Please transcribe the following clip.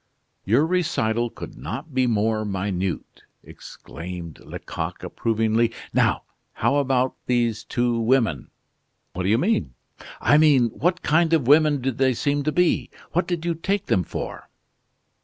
'" "Your recital could not be more minute," exclaimed Lecoq, approvingly. "Now, how about these two women?" "What do you mean?" "I mean what kind of women did they seem to be; what did you take them for?"